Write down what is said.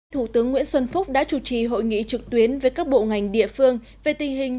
thủ tướng nguyễn xuân phúc đã chủ trì hội nghị trực tuyến với các bộ ngành địa phương về tình hình